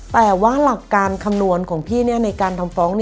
แต่ว่าหลักการคำนวณของพี่ในการทำฟ้อง